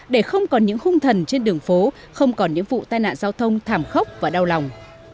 để không còn những hung thần trên đường phố không còn những vụ tai nạn giao thông thảm khốc và đau lòng